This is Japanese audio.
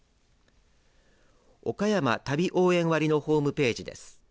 おかやま旅応援割のホームページです。